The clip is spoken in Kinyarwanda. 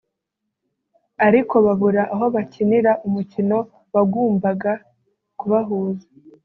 ariko Babura aho bakinira umukino wagumbaga kubahuza